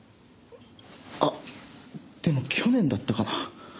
あっでも去年だったかな？